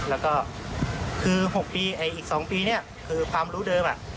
แล้วก็คือ๖ปีอีก๒ปีเนี่ยคือความรู้เดิม